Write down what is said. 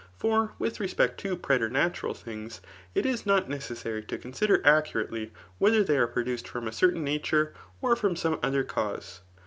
For with respect to pre* tematural things, it is not necessary to consider acca rately whether they are produced from a cartain nature^ or from some other cause.